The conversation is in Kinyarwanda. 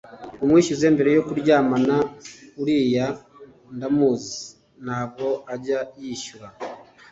Umwishyuze mbere ayo kuryamana uriya ndamuzi ntabwo ajya yishyura